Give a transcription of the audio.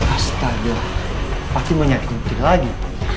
astaga pasti menyakiti lagi